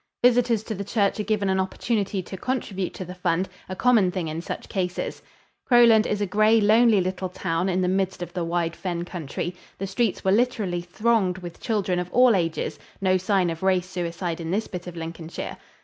Visitors to the church are given an opportunity to contribute to the fund a common thing in such cases. Crowland is a gray, lonely little town in the midst of the wide fen country. The streets were literally thronged with children of all ages; no sign of race suicide in this bit of Lincolnshire.